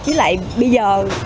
với lại bây giờ